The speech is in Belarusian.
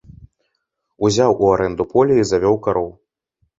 Узяў у арэнду поле і завёў кароў.